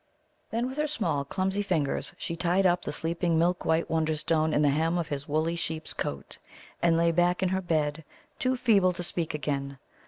Then, with her small, clumsy fingers, she tied up the sleeping milk white Wonderstone in the hem of his woolly sheep's coat, and lay back in her bed, too feeble to speak again.